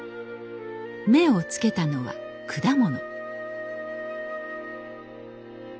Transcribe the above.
目をつけたのは果物。